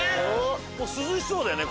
涼しそうだよね